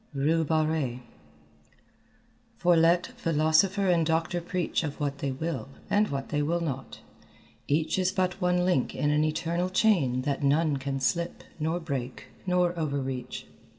RUE BARRÉE "For let Philosopher and Doctor preach Of what they will and what they will not, each Is but one link in an eternal chain That none can slip nor break nor over reach."